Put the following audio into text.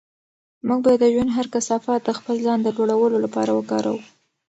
موږ باید د ژوند هر کثافت د خپل ځان د لوړولو لپاره وکاروو.